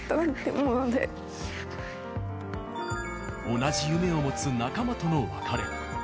同じ夢を持つ仲間との別れ。